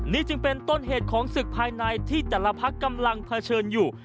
นี่จึงเป็นต้นเหตุของศึกภายในที่แต่ละพักกำลังเผชิญอยู่